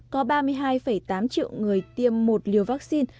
có ba mươi hai tám triệu người tiêm một liều vaccine